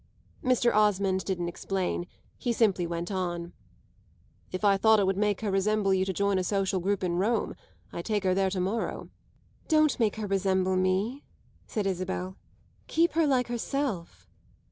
Mr. Osmond didn't explain; he simply went on: "If I thought it would make her resemble you to join a social group in Rome I'd take her there to morrow." "Don't make her resemble me," said Isabel. "Keep her like herself."